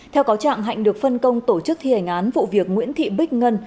theo cáo trạng hạnh được phân công tổ chức thi hành án vụ việc nguyễn thị bích ngân